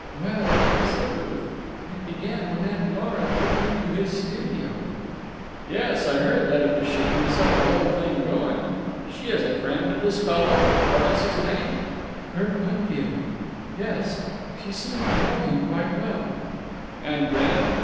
"Well," said Ruth, "it began when Aunt Lora took me to his studio." "Yes, I heard that it was she who set the whole thing going. She is a friend of this fellow—what is his name?" "Kirk Winfield. Yes, she seemed to know him quite well." "And then?"